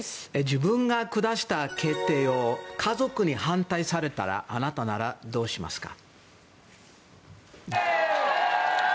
自分が下した決定を家族に反対されたらあなたならどうしますか？